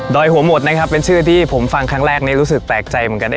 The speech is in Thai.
หัวหมดนะครับเป็นชื่อที่ผมฟังครั้งแรกนี้รู้สึกแปลกใจเหมือนกัน